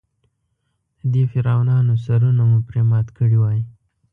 د دې فرعونانو سرونه مو پرې مات کړي وای.